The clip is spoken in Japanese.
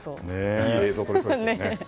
いい映像が撮れそうですね。